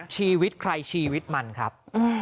ชีวิตใครชีวิตมันครับ